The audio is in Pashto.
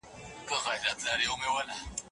شتمن خلګ باید بخیل نه وي.